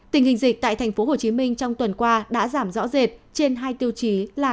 tình hình dịch tại thành phố hồ chí minh trong tuần qua đã giảm rõ rệt trên hai tiêu chí là